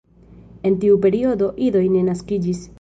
En tiu periodo idoj ne naskiĝis.